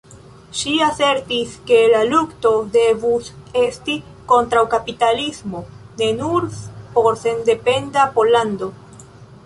Ŝi asertis ke la lukto devus esti kontraŭ kapitalismo, ne nur por sendependa Pollando.